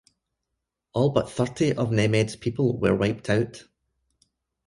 All but thirty of Nemed's people were wiped out.